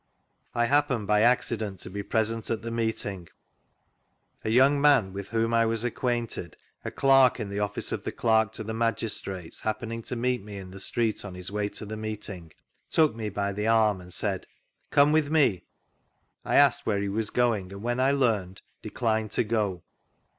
I happened by accident to be present at the meet ing. A young man with whom I was acquainted, a clerk in the office of the Clerk to the Magistrates, happening to meet me in thge street on his way to the meeting, took me by the arm and said :" Come with me." I asked where he was going, and when I learned, declined to go.